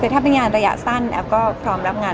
คือถ้าเป็นงานระยะสั้นแอฟก็พร้อมรับงาน